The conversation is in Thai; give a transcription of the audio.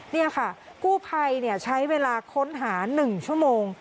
นี่ค่ะกู้ภัยใช้เวลาค้นหา๑ชั่วโมง